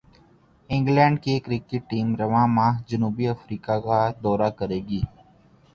England کی cricket team رواں ماہ جنوبی افریقہ کا دورہ کرے گی